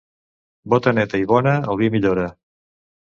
Bota neta i bona, el vi millora.